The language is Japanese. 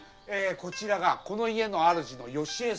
こちらがこの家のあるじの良枝さん。